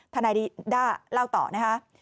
ทนายนิด้าเล่าต่อนะคะ